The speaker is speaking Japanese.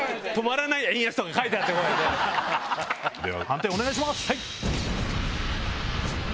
判定お願いします。